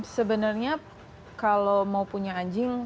sebenarnya kalau mau punya anjing